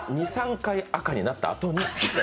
２３回赤になったあとに。